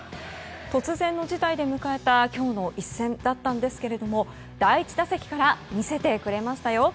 突然の事態で迎えた今日の一戦だったんですけれども第１打席から見せてくれましたよ。